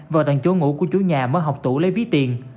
vào tầng chỗ ngủ của chú nhà mất học tủ lấy ví tiền